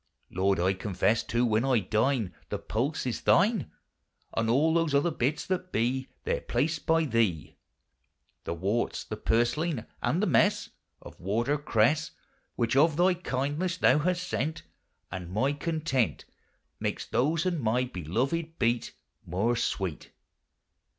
Lord, I confesse too, when I dine, The pulse is thine, And all those other bits that bee There placed by thee; The worts, the purslain, and the messe Of water cresse, Which of thy kindness thou hast sent; And my content Makes those and my beloved beet More sweet.